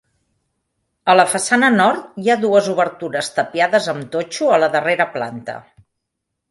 A la façana nord, hi ha dues obertures tapiades amb totxo a la darrera planta.